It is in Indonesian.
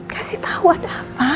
kasih tau ada apa